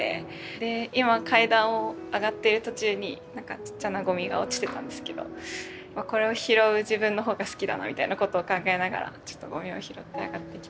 で今階段を上ってる途中になんかちっちゃなゴミが落ちてたんですけどこれを拾う自分のほうが好きだなみたいなことを考えながらちょっとゴミを拾って上がってきて。